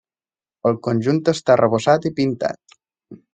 El conjunt està arrebossat i pintat.